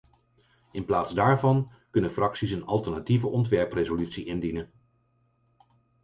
In plaats daarvan kunnen fracties een alternatieve ontwerpresolutie indienen.